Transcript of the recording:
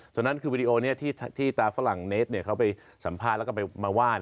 ตอนนั้นคือวิดีโอนี้ที่ตาฝรั่งเนสเขาไปสัมภาษณ์แล้วก็ไปมาว่า